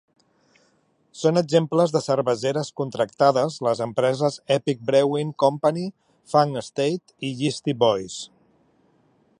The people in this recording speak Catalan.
Són exemples de cerveseres contractades les empreses Epic Brewing Company, Funk Estate i Yeastie Boys.